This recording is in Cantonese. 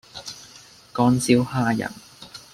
乾燒蝦仁